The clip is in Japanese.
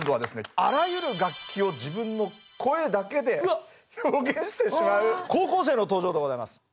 あらゆる楽器を自分の声だけで表現してしまう高校生の登場でございます。